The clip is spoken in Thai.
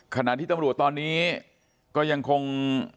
ขณะที่ตำรวจตอนนี้ก็ยังคง